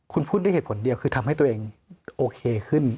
คุณพูดด้วยเหตุผลเดียวคือทำให้ตัวเองโอเคขึ้น